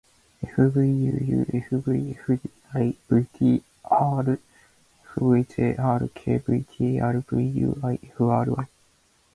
fvuufvfdivtrfvjrkvtrvuifri